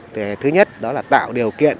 thứ nhất đó là tạo điều kiện